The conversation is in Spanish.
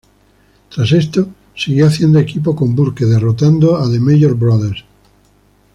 Tras esto, siguió haciendo equipo con Burke, derrotando a The Major Brothers.